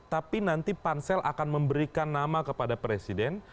tapi nanti pansel akan memberikan nama kepada presiden